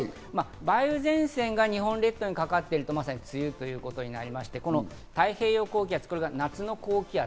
梅雨前線が日本列島にかかっていると、まさに梅雨ということになりまして、太平洋高気圧、これが夏の高気圧。